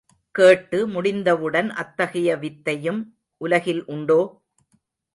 கேட்டு முடிந்தவுடன், அத்தகைய வித்தையும் உலகில் உண்டோ?